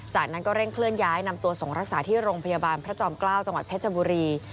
จากนั้นก็เร่งเคลื่อนย้ายนำตัวส่งรักษาที่โรงพยาบาลพระจอมเกล้าจังหวัดเพชรบุรี